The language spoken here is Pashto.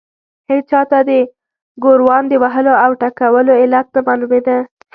هېچا ته د ګوروان د وهلو او ټکولو علت نه معلومېده.